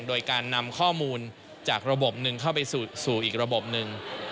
โดยการนำข้อมูลจากระบบหนึ่งเข้าไปสู่อีกระบบหนึ่ง